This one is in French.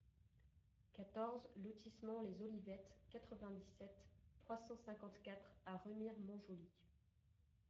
quatorze lotissement Les Olivettes, quatre-vingt-dix-sept, trois cent cinquante-quatre à Remire-Montjoly